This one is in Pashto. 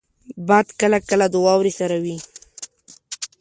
باد کله کله د واورې سره وي